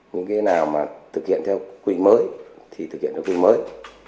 nhưng cái nào mà thực hiện theo quy định mới thì thực hiện theo quy định mới